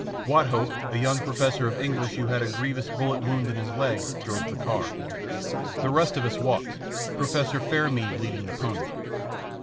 Wathope, a young professor of English, who had a grievous bullet wound in his leg, drove the car. The rest of us walked, Professor Fairmead leading the pony.